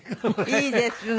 いいですね。